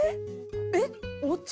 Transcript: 「えっお茶？」